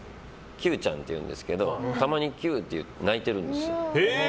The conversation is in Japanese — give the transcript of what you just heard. キューちゃんっていうんですけどたまにキューって鳴いているんですよ。